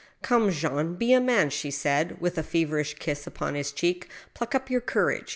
" Come, Jean, be a man," she said, with a feverish kiss upon his cheek, " pluck up your courage.